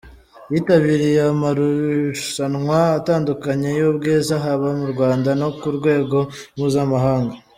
Yitabiriye amarushanwa atandukanye y’ubwiza haba mu Rwanda no ku rwego mpuzamahanga.